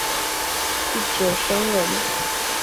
一者生忍。